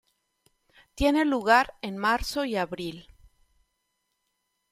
Tiene lugar en marzo y abril.